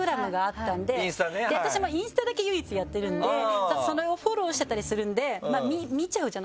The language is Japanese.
私インスタだけ唯一やってるのでそれをフォローしてたりするんで見ちゃうじゃないですか。